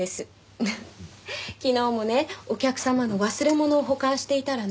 昨日もねお客様の忘れ物を保管していたらね